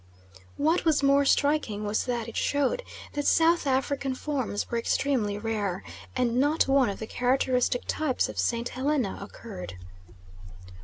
What was more striking was that it showed that South African forms were extremely rare, and not one of the characteristic types of St. Helena occurred.